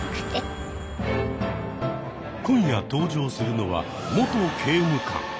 今夜登場するのは「元刑務官」。